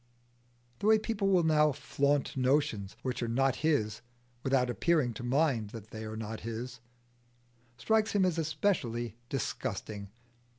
The way people will now flaunt notions which are not his without appearing to mind that they are not his, strikes him as especially disgusting.